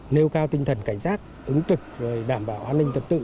nêu cao tinh thần cảnh sát ứng trực đảm bảo an ninh tật tự